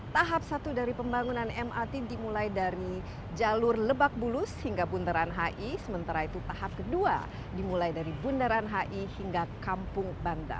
tahap satu dari pembangunan mrt dimulai dari jalur lebak bulus hingga bundaran hi sementara itu tahap kedua dimulai dari bundaran hi hingga kampung bandar